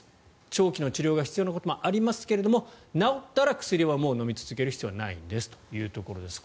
長期の治療が必要なこともありますけども治ったら薬はもう飲み続ける必要はないんですというところです。